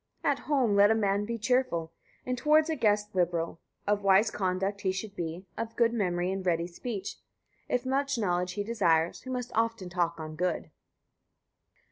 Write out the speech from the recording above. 103. At home let a man be cheerful, and towards a guest liberal; of wise conduct he should be, of good memory and ready speech; if much knowledge he desires, he must often talk on good.